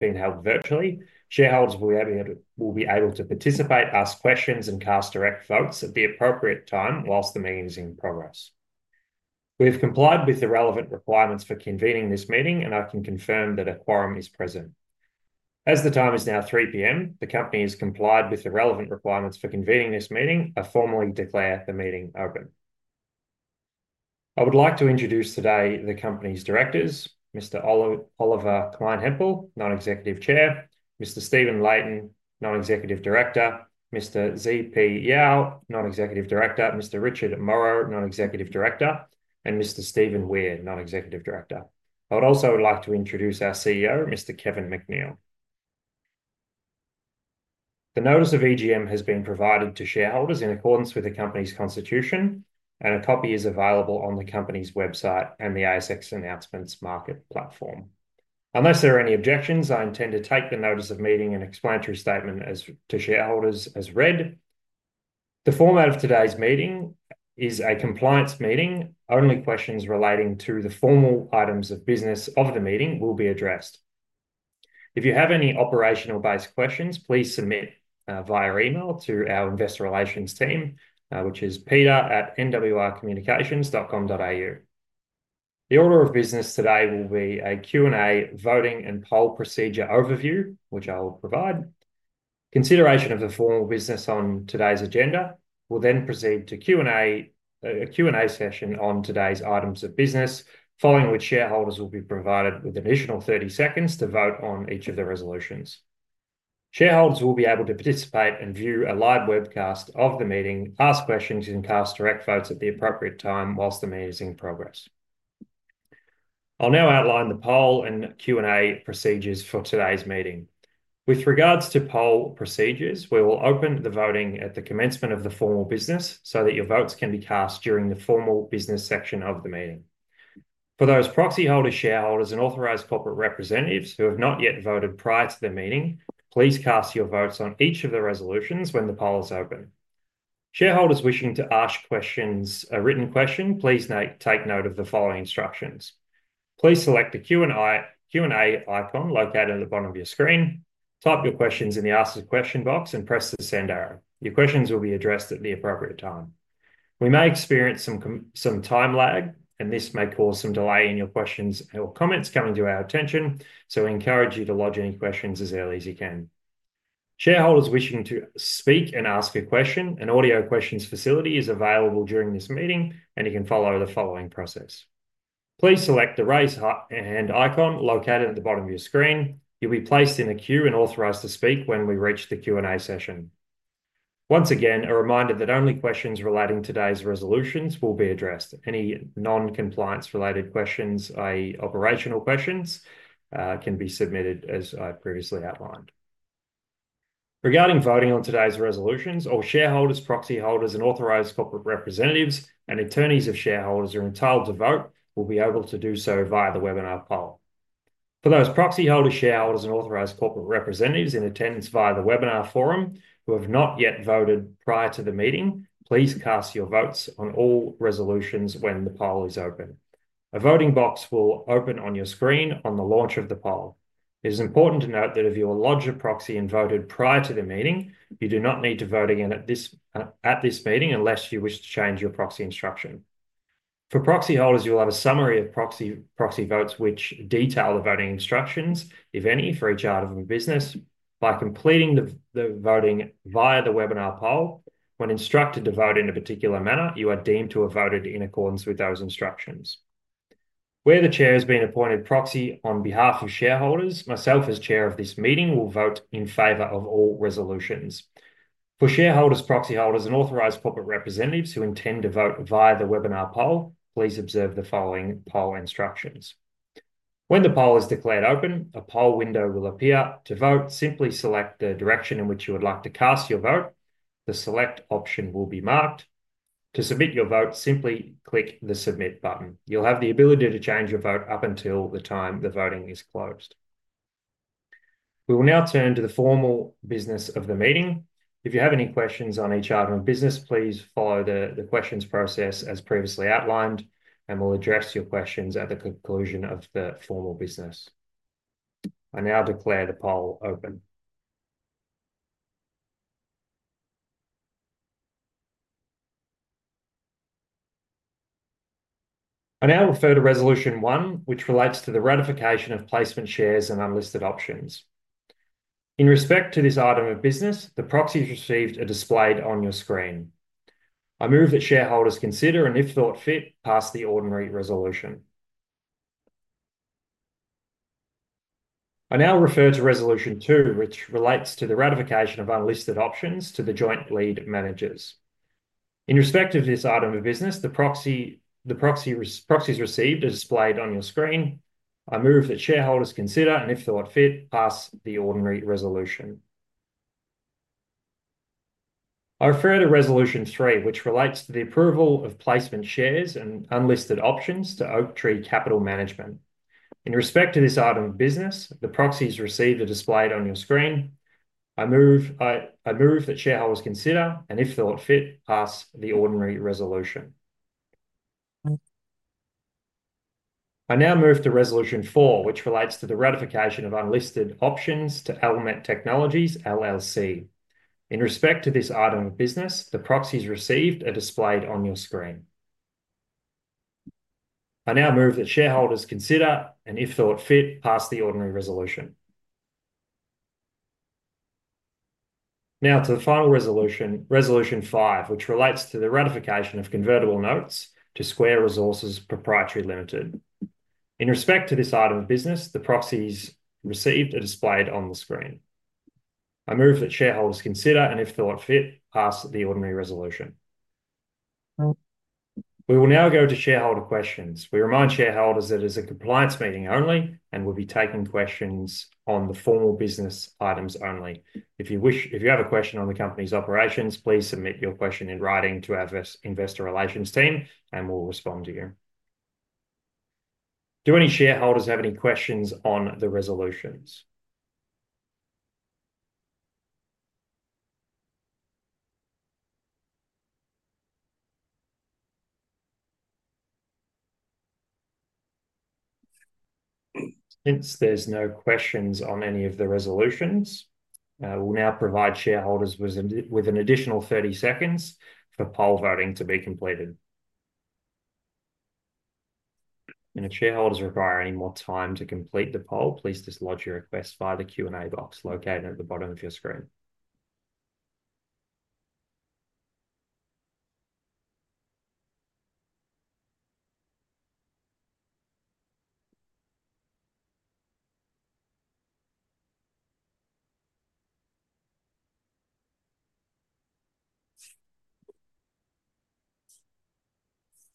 Being held virtually, shareholders will be able to participate, ask questions, and cast direct votes at the appropriate time whilst the meeting is in progress. We have complied with the relevant requirements for convening this meeting, and I can confirm that a quorum is present. As the time is now 3:00 P.M., the company has complied with the relevant requirements for convening this meeting and formally declared the meeting open. I would like to introduce today the company's directors: Mr. Oliver Kleinhempel, Non-Executive Chair; Mr. Stephen Leighton, Non-Executive Director; Mr. Zi Piao, Non-Executive Director; Mr. Richard Morrow, Non-Executive Director; and Mr. Stephen Weir, Non-Executive Director. I would also like to introduce our CEO, Mr. Kevin MacNeill. The notice of EGM has been provided to shareholders in accordance with the company's constitution, and a copy is available on the company's website and the ASX Announcements Market platform. Unless there are any objections, I intend to take the notice of meeting and explanatory statement to shareholders as read. The format of today's meeting is a compliance meeting. Only questions relating to the formal items of business of the meeting will be addressed. If you have any operational-based questions, please submit via email to our investor relations team, which is peter@nwrcommunications.com.au. The order of business today will be a Q&A, voting and poll procedure overview, which I will provide. Consideration of the formal business on today's agenda. We'll then proceed to a Q&A session on today's items of business, following which shareholders will be provided with an additional 30 seconds to vote on each of the resolutions. Shareholders will be able to participate and view a live webcast of the meeting, ask questions, and cast direct votes at the appropriate time whilst the meeting is in progress. I'll now outline the poll and Q&A procedures for today's meeting. With regards to poll procedures, we will open the voting at the commencement of the formal business so that your votes can be cast during the formal business section of the meeting. For those proxy holders, shareholders, and authorised corporate representatives who have not yet voted prior to the meeting, please cast your votes on each of the resolutions when the poll is open. Shareholders wishing to ask questions, a written question, please take note of the following instructions. Please select the Q&A icon located at the bottom of your screen, type your questions in the ask a question box, and press the send arrow. Your questions will be addressed at the appropriate time. We may experience some time lag, and this may cause some delay in your questions or comments coming to our attention, so we encourage you to lodge any questions as early as you can. Shareholders wishing to speak and ask a question, an audio questions facility is available during this meeting, and you can follow the following process. Please select the raise hand icon located at the bottom of your screen. You'll be placed in a queue and authorized to speak when we reach the Q&A session. Once again, a reminder that only questions relating to today's resolutions will be addressed. Any non-compliance-related questions, i.e., operational questions, can be submitted as I previously outlined. Regarding voting on today's resolutions, all shareholders, proxy holders, and authorized corporate representatives, and attorneys of shareholders are entitled to vote. We'll be able to do so via the webinar poll. For those proxy holders, shareholders, and authorized corporate representatives in attendance via the webinar forum who have not yet voted prior to the meeting, please cast your votes on all resolutions when the poll is open. A voting box will open on your screen on the launch of the poll. It is important to note that if you lodged a proxy and voted prior to the meeting, you do not need to vote again at this meeting unless you wish to change your proxy instruction. For proxy holders, you'll have a summary of proxy votes which detail the voting instructions, if any, for each item of business. By completing the voting via the webinar poll, when instructed to vote in a particular manner, you are deemed to have voted in accordance with those instructions. Where the chair has been appointed proxy on behalf of shareholders, myself as chair of this meeting will vote in favor of all resolutions. For shareholders, proxy holders, and authorized corporate representatives who intend to vote via the webinar poll, please observe the following poll instructions. When the poll is declared open, a poll window will appear. To vote, simply select the direction in which you would like to cast your vote. The select option will be marked. To submit your vote, simply click the submit button. You'll have the ability to change your vote up until the time the voting is closed. We will now turn to the formal business of the meeting. If you have any questions on each item of business, please follow the questions process as previously outlined, and we'll address your questions at the conclusion of the formal business. I now declare the poll open. I now refer to resolution one, which relates to the ratification of placement shares and unlisted options. In respect to this item of business, the proxies received are displayed on your screen. I move that shareholders consider and, if thought fit, pass the ordinary resolution. I now refer to resolution two, which relates to the ratification of unlisted options to the joint lead managers. In respect of this item of business, the proxies received are displayed on your screen. I move that shareholders consider and, if thought fit, pass the ordinary resolution. I refer to resolution three, which relates to the approval of placement shares and unlisted options to Oaktree Capital Management. In respect to this item of business, the proxies received are displayed on your screen. I move that shareholders consider and, if thought fit, pass the ordinary resolution. I now move to resolution four, which relates to the ratification of unlisted options to Element Technologies LLC. In respect to this item of business, the proxies received are displayed on your screen. I now move that shareholders consider and, if thought fit, pass the ordinary resolution. Now to the final resolution, resolution five, which relates to the ratification of convertible notes to Square Resources Proprietary Limited. In respect to this item of business, the proxies received are displayed on the screen. I move that shareholders consider and, if thought fit, pass the ordinary resolution. We will now go to shareholder questions. We remind shareholders that it is a compliance meeting only and we'll be taking questions on the formal business items only. If you have a question on the company's operations, please submit your question in writing to our investor relations team, and we'll respond to you. Do any shareholders have any questions on the resolutions? Since there's no questions on any of the resolutions, we'll now provide shareholders with an additional 30 seconds for poll voting to be completed. If shareholders require any more time to complete the poll, please just lodge your request via the Q&A box located at the bottom of your screen.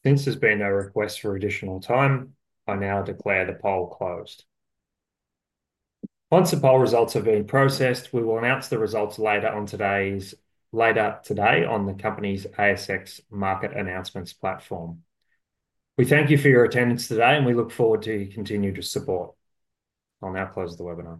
Since there's been no request for additional time, I now declare the poll closed. Once the poll results have been processed, we will announce the results later on today on the company's ASX Market Announcements platform. We thank you for your attendance today, and we look forward to your continued support. I'll now close the webinar.